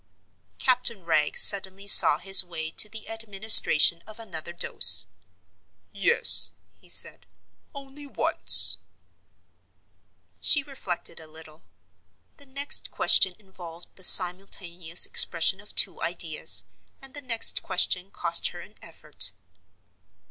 Captain Wragge suddenly saw his way to the administration of another dose. "Yes," he said, "only once." She reflected a little. The next question involved the simultaneous expression of two ideas, and the next question cost her an effort.